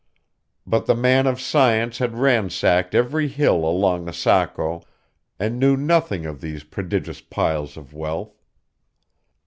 But the man of science had ransacked every hill along the Saco, and knew nothing of these prodigious piles of wealth.